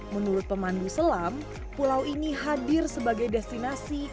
menurut pemandu selam pulau ini hadir sebagai destinasi